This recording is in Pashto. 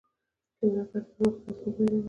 کیمیاګر د روح بدلون پیژني.